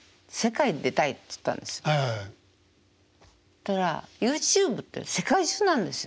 ったらＹｏｕＴｕｂｅって世界中なんですよ。